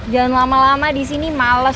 jangan lama lama di sini males